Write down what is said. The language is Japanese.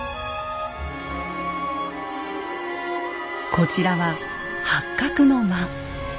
こちらは八角の間。